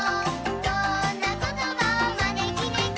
「どんな言葉をまねきねこ」